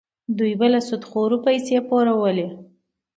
دوی به له سودخورو پیسې پورولې.